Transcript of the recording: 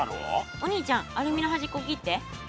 お兄ちゃんアルミのはじっこ切って。